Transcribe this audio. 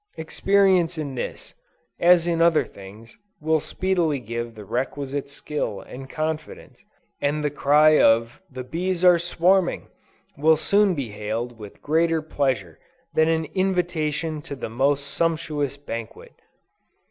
Experience in this, as in other things, will speedily give the requisite skill and confidence; and the cry of "the bees are swarming," will soon be hailed with greater pleasure than an invitation to the most sumptuous banquet.